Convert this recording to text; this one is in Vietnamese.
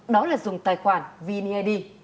đó là dùng tài khoản vned